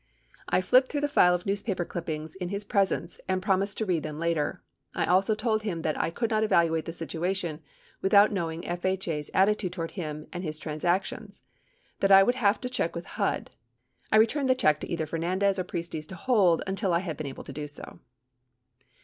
I flipped through the file of newspaper clippings in his presence and promised to read them later. I also told him that I could not evaluate the situation without knowing FHA's at titude toward him and his transactions ; that I would have to check with FTUD. I returned the check either to Fernandez or Priestes to hold until I had been able to do so.